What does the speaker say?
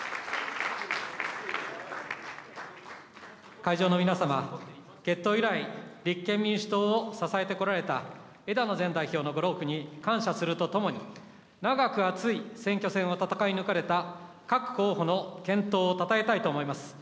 会場の皆様、結党以来、立憲民主党を支えてこられた枝野前代表のご労苦に感謝するとともに、長く熱い選挙戦を戦い抜かれた各候補の健闘をたたえたいと思います。